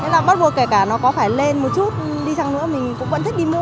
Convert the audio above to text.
nên là bắt buộc kể cả nó có phải lên một chút đi chăng nữa mình cũng vẫn thích đi mua